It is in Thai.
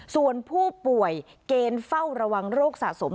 ส่วนผู้ป่วยเกณฑ์เฝ้าระวังโรคสะสม